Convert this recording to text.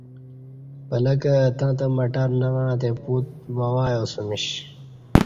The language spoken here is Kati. پلکہ اتں تہ مٹر نہ وعں تے پوت واں ایاسمیش